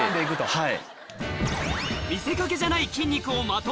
はい。